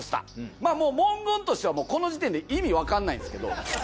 まぁもう文言としてはもうこの時点で意味わかんないんですけどで